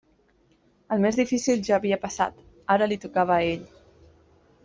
El més difícil ja havia passat: ara li tocava a ell.